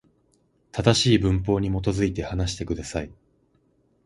正しい文法に基づいて、話してください。